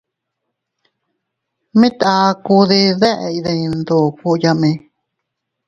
Mit a akuu de deʼe diin ndoko yaʼme.